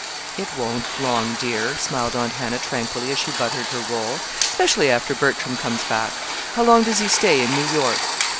"It won't long, dear," smiled Aunt Hannah, tranquilly, as she buttered her roll, "specially after Bertram comes back. How long does he stay in New York?"